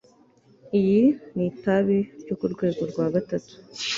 Iyi ni itabi ryo ku rwego rwa gatatu